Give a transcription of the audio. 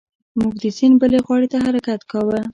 موږ د سیند بلې غاړې ته حرکت کاوه.